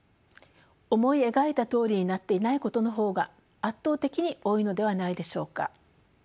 思い描いたとおりになっていないことの方が圧倒的に多いのではないでしょうか。